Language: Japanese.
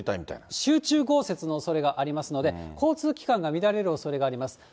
集中豪雪のおそれがありますので、交通機関が乱れるおそれがあります。